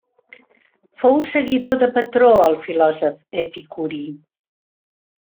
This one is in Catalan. Fou seguidor de Patró, el filòsof epicuri.